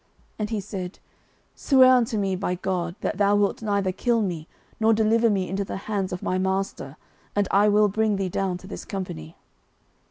And he said, Swear unto me by God, that thou wilt neither kill me, nor deliver me into the hands of my master, and I will bring thee down to this company.